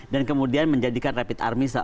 dan kemudian menjadikan rapid army